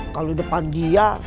kalo depan dia